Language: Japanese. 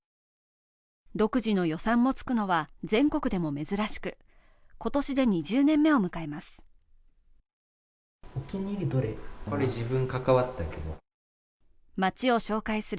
独自の予算もつくのは全国でも珍しく今年で２０年目を迎えます。